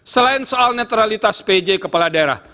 selain soal netralitas pj kepala daerah